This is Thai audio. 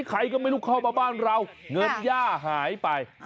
ใครก็ไม่รู้เข้ามาบ้านเราเงินย่าหายไป